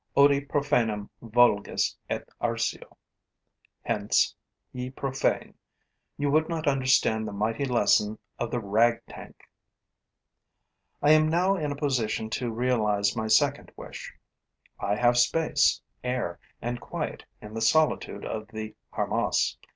Odi profanum vulgus et arceo; hence, ye profane: you would not understand the mighty lesson of the rag tank. I am now in a position to realize my second wish. I have space, air and quiet in the solitude of the harmas.